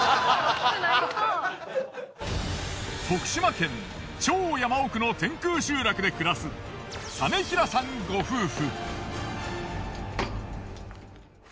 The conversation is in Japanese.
徳島県超山奥の天空集落で暮らす實平さんご夫婦。